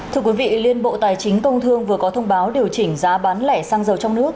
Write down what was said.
thưa quý vị liên bộ tài chính công thương vừa có thông báo điều chỉnh giá bán lẻ xăng dầu trong nước